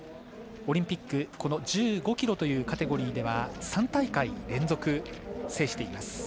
オリンピック１５ｋｍというカテゴリーでは３大会連続、制しています。